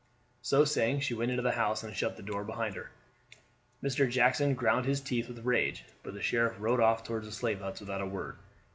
So saying she went into the house and shut the door behind her. Mr. Jackson ground his teeth with rage, but the sheriff rode off toward the slave huts without a word.